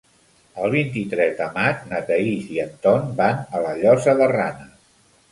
El vint-i-tres de maig na Thaís i en Ton van a la Llosa de Ranes.